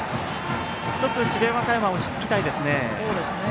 １つ、智弁和歌山は落ち着きたいですね。